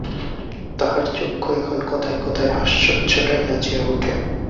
তাহার চক্ষু এখন কথায় কথায় হাস্যচ্ছটায় নাচিয়া উঠে।